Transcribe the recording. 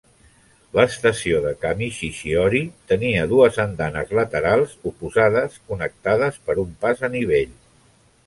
L'estació de Kamishishiori tenia dues andanes laterals oposades connectades per un pas a nivell.